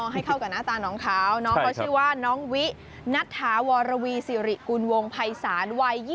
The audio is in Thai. ให้เข้ากับหน้าตาน้องเขาน้องเขาชื่อน้องวินัทฐาวรวีสิริคุณวงไพรสาน